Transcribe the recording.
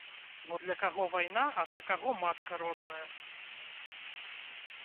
Бо для каго вайна, а для каго матка родная.